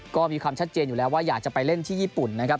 ก็มีความชัดเจนอยู่แล้วว่าอยากจะไปเล่นที่ญี่ปุ่นนะครับ